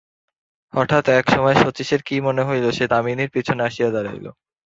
হঠাৎ এক সময়ে শচীশের কী মনে হইল, সে দামিনীর পিছনে আসিয়া দাঁড়াইল।